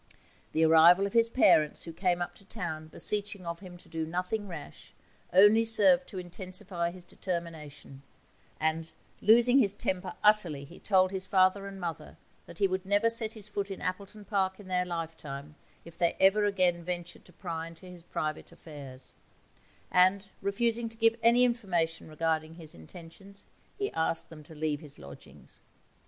The arrival of his parents, who came up to town beseeching of him to do nothing rash, only served to intensify his determination, and, losing his temper utterly, he told his father and mother that he would never set his foot in Appleton Park in their lifetime if they ever again ventured to pry into his private affairs; and, refusing to give any information regarding his intentions, he asked them to leave his lodgings.